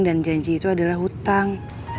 dan janji itu adalah hutang